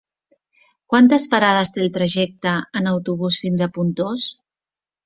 Quantes parades té el trajecte en autobús fins a Pontós?